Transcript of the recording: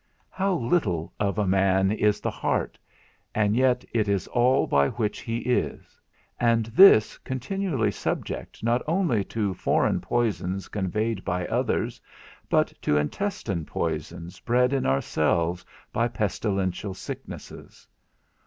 How little of a man is the heart, and yet it is all by which he is; and this continually subject not only to foreign poisons conveyed by others, but to intestine poisons bred in ourselves by pestilential sicknesses.